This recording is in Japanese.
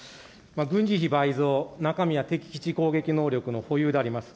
軍事費倍増、中身は敵基地攻撃能力の保有であります。